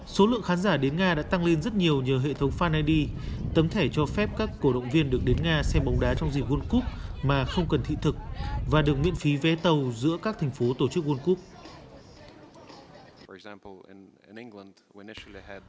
số lượng khán giả đến nga đã tăng lên rất nhiều nhờ hệ thống fanney tấm thẻ cho phép các cổ động viên được đến nga xem bóng đá trong dịp world cup mà không cần thị thực và được miễn phí vé tàu giữa các thành phố tổ chức world cup